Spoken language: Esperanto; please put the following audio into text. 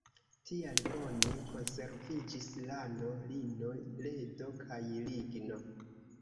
Tial bone konserviĝis lano, lino, ledo kaj ligno.